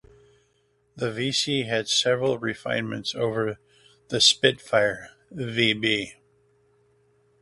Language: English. The Vc had several refinements over the Spitfire Vb.